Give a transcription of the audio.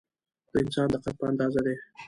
د انسان د قد په اندازه ده.